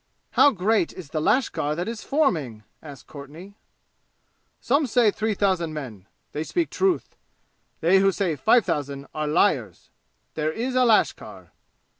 "How great is the lashkar that is forming?" asked Courtenay. "Some say three thousand men. They speak truth. They who say five thousand are liars. There is a lashkar."